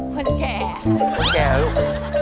คนแก่เหรอลูก